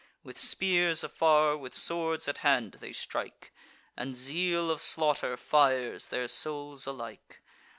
With spears afar, with swords at hand, they strike; And zeal of slaughter fires their souls alike.